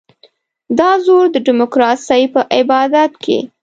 دا زور د ډیموکراسۍ په عبادت کې.